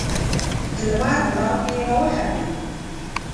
د لمر وړانګې راوخوتې.